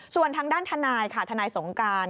ส่วนทางด้านทนายค่ะทนายสงการ